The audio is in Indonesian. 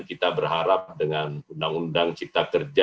kita berharap dengan undang undang cipta kerja